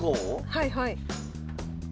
はいはい。